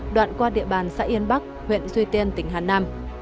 đoạn qua địa bàn xã yên bắc huyện duy tiên tỉnh hà nam